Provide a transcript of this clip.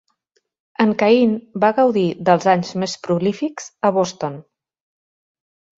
En Cain va gaudir dels anys més prolífics a Boston.